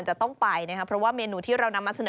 จะต้องไปนะครับเพราะว่าเมนูที่เรานำมาเสนอ